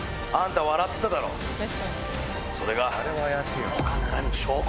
それが。